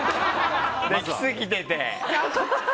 できすぎてて。